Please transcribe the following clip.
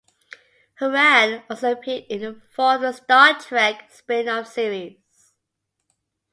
Horan also appeared in four of the "Star Trek" spin-off series.